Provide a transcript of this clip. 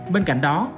bên cạnh đó